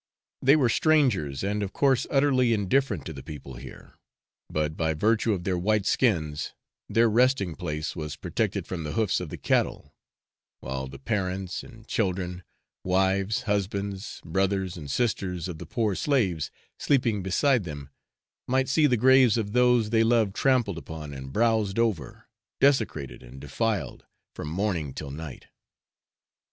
They were strangers, and of course utterly indifferent to the people here; but by virtue of their white skins, their resting place was protected from the hoofs of the cattle, while the parents and children, wives, husbands, brothers and sisters, of the poor slaves, sleeping beside them, might see the graves of those they loved trampled upon and browsed over, desecrated and defiled, from morning till night.